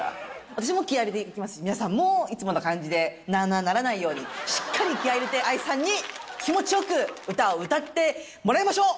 私も気合い入れていきますし、皆さんもいつもの感じで、なあなあにならないように、しっかり気合い入れて、ＡＩさんに気持ちよく歌を歌ってもらいましょう！